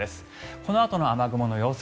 このあとの雨雲の様子